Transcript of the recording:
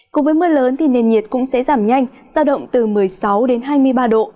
cùng với mưa lớn thì nền nhiệt cũng sẽ giảm nhanh giao động từ một mươi sáu đến hai mươi ba độ